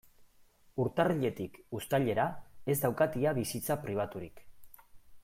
Urtarriletik uztailera ez daukat ia bizitza pribaturik.